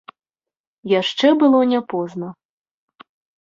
Яшчэ было не позна.